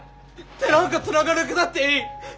手なんかつながなくたっていい。